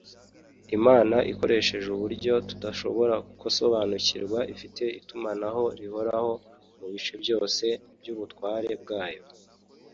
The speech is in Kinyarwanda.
imana ikoresheje uburyo tudashobora gusobanukirwa, ifite itumanaho rihoraho mu bice byose by’ubutware bwayo